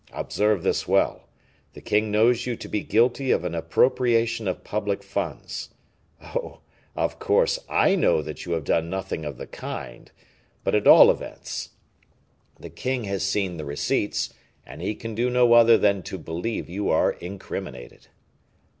Observe this well: the king knows you to be guilty of an appropriation of public funds. Oh! of course I know that you have done nothing of the kind; but, at all events, the king has seen the receipts, and he can do no other than believe you are incriminated."